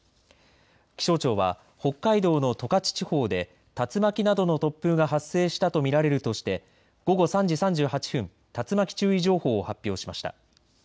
気象庁は北海道の十勝地方で竜巻などの突風が発生したと見られるとして午後３時３８分、竜巻注意情報を発表しました。